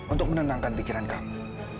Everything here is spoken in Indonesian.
untuk menenangkan pikiran kamu